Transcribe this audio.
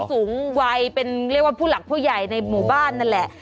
สูงวัยเป็นเรียกว่าผู้หลักผู้ใหญ่ในหมู่บ้านนั่นแหละ